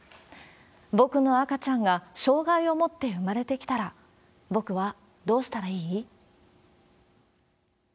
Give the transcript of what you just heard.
僕の赤ちゃんが障害を持って生まれてきたら、僕はどうしたらいい？